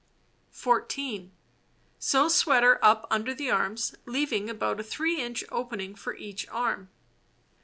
14. Sew sweater up under the arms, leaving about a 3 inch opening for each arm.